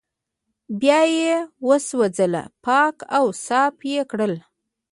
بيا يې وسوځول پاک او صاف يې کړل